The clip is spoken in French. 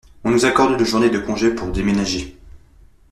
On nous accorde une journée de congé pour déménager.